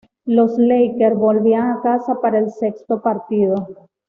Los Lakers volvían a casa para el sexto partido.